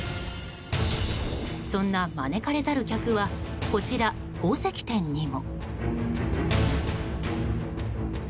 そんな招かれざる客はこちら、宝石店にも。